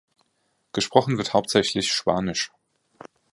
Gesprochen wird hauptsächlich Spanisch.